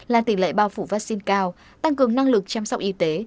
là tỷ lệ bao phủ vaccine cao tăng cường năng lực chăm sóc y tế